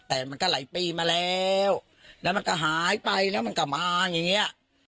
แต่มันก็หลายปีมาแล้วแล้วมันก็หายไปแล้วมันก็มาอย่างเงี้ย